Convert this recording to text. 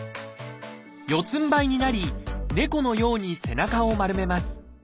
四つんばいになり猫のように背中を丸めます。